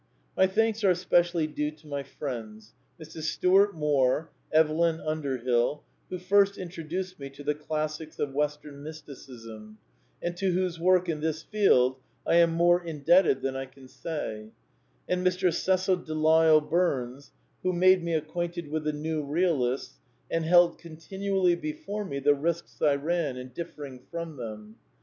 My thanks are specially due to my friends, Mrs. Stuart Moore (Evelyn TJnderhill), who first introduced me to the classics of Western Mysticism, and to whose work in this field I am more indebted than I can say, and Mr. Cecil Delisle Bums, who made me acquainted with the New Eealists and held continually before me the risks I ran in differing from them.